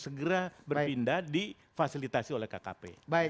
segera berpindah di fasilitasi oleh kkp